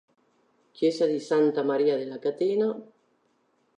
Chiesa di Santa Maria della Catena